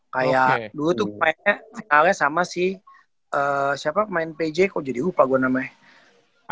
kayak dulu tuh mainnya sama si siapa pemain pj kok jadi lupa gue namanya